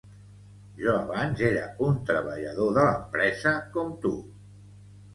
Jo abans era un treballador de l'empresa com tu.